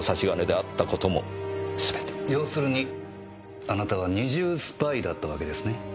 要するにあなたは二重スパイだったわけですね。